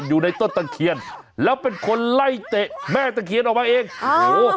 อยู่ในต้นตะเคียนแล้วเป็นคนไล่เตะแม่ตะเคียนออกมาเองโอ้โห